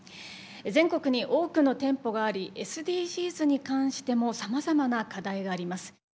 全国に多くの店舗がありＳＤＧｓに関してもさまざまな課題があります。